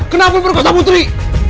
kenapa berkuasa putri